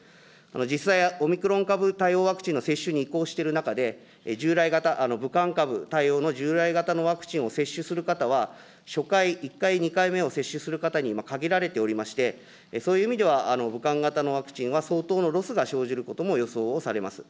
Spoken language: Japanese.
実際、オミクロン株対応ワクチンの接種に移行している中で、従来型、武漢株対応の従来型のワクチンを接種する方は、初回、１回、２回目を接種する方に限られておりまして、そういう意味では、武漢型のワクチンは、相当のロスが生じることも予想をされます。